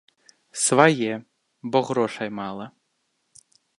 Свае, бо грошай мала.